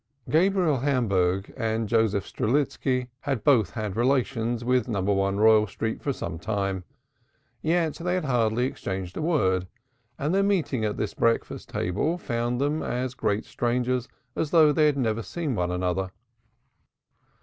Gabriel Hamburg and Joseph Strelitski had both had relations with No. 1 Royal Street for some time, yet they had hardly exchanged a word and their meeting at this breakfast table found them as great strangers as though they had never seen each other.